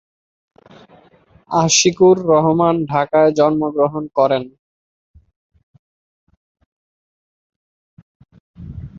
আশিকুর রহমান ঢাকায় জন্মগ্রহণ করেন।